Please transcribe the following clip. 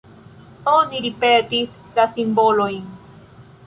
Oni ripetis la simbolojn.